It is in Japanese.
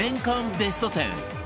ベスト１０